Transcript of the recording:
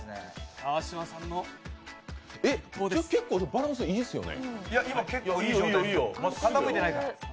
今、これ結構バランスいいっすよね。